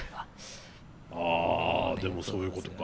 あでもそういうことか。